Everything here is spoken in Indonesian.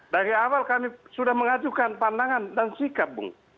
dari awal kami sudah mengajukan pandangan dan sikap bung